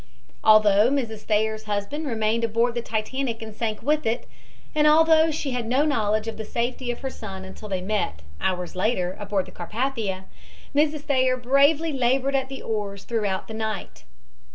Although Mrs. Thayer's husband remained aboard the Titanic and sank with it, and although she had no knowledge of the safety of her son until they met, hours later, aboard the Carpathia, Mrs. Thayer bravely labored at the oars throughout the night.